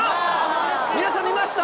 水谷さん見ました？